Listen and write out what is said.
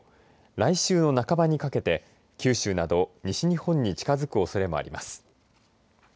来週の半ばにかけて九州など西日本に近づくおそれもあります。